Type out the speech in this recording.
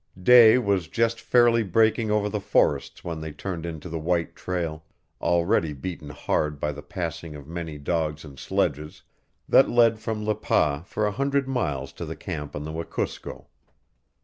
Day was just fairly breaking over the forests when they turned into the white trail, already beaten hard by the passing of many dogs and sledges, that led from Le Pas for a hundred miles to the camp on the Wekusko.